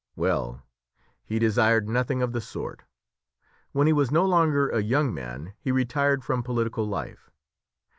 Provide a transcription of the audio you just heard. Well! he desired nothing of the sort. When he was no longer a young man he retired from political life.